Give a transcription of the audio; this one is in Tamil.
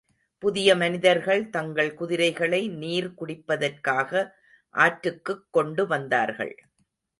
புதிய மனிதர்கள் தங்கள் குதிரைகளை நீர் குடிப்பதற்காக ஆற்றுக்குக் கொண்டு வந்தார்கள்.